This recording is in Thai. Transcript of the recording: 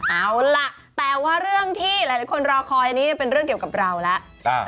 เอาล่ะแต่ว่าเรื่องที่หลายคนรอคอยอันนี้เป็นเรื่องเกี่ยวกับเราแล้ว